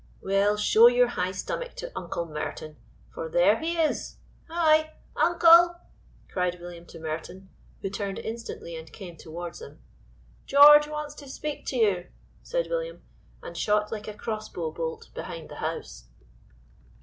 "Well, show your high stomach to Uncle Merton, for there he is. Hy! uncle!" cried William to Merton, who turned instantly and came toward them. "George wants to speak to you," said William, and shot like a cross bow bolt behind the house.